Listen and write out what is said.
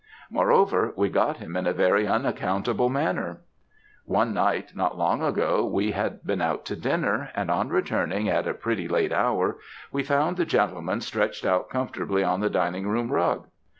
Moreover, we got him in a very unaccountable manner. "'One night, not long ago, we had been out to dinner; and on returning at a pretty late hour, we found the gentleman stretched out comfortably on the dining room rug.